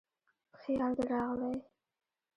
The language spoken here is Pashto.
خیال دې راغلی